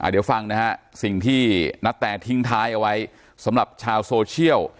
เดี๋ยวฟังนะฮะสิ่งที่ณแตทิ้งท้ายเอาไว้สำหรับชาวโซเชียล